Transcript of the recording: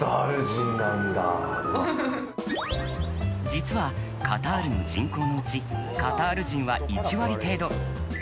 実は、カタールの人口のうちカタール人は１割程度。